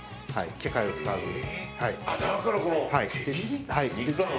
機械を使わずに。